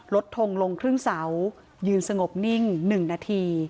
ทงลงครึ่งเสายืนสงบนิ่ง๑นาที